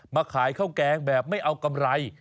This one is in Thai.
มาขายข้าวแกงแบบไม่เอากำไร